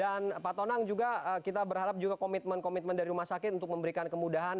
dan pak tonang juga kita berharap juga komitmen komitmen dari rumah sakit untuk memberikan kemudahan